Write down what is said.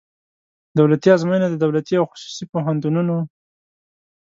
دولتي آزموینه د دولتي او خصوصي پوهنتونونو